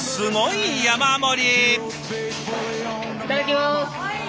いただきます！